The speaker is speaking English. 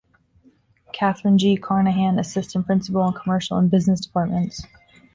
Catherine G. Carnahan Assistant Principal in Commercial and Business Departments.